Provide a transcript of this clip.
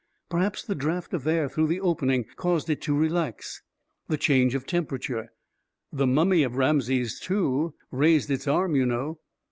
Perhaps the draft of air through the opening caused it to relax — the change of temperature. The mummy of Rameses II. raised its arm, you know."